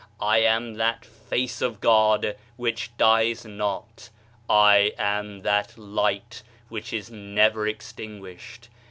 I am that face of God which dies not, I am that light which is never extinguished.